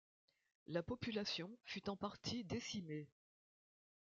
La population fut en partie décimée.